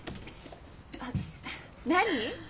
あっ何？